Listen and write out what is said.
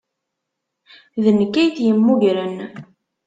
D nekk ay t-yemmugren.